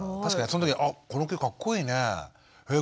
その時「あっこの曲かっこいいねえ。